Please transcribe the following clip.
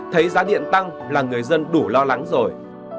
thấy giá điện tăng là người dân đủ lo lắng rồi